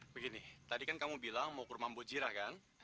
begini tadi kan kamu bilang mau ke rumah mbok jirah kan